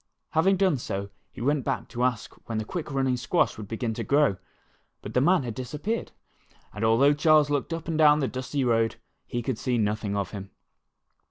Having done so, he went back to ask when the quick running squash would begin to grow. But the man had disappeared, and al though Charles looked up and down the dusty road, he could see nothing of him.